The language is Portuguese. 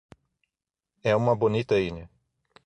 É uma bonita ilha.